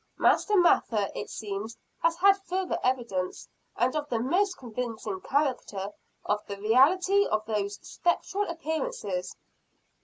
Master Mather, it seems, has had further evidence and of the most convincing character, of the reality of these spectral appearances."